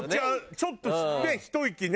ちょっとねえひと息ね。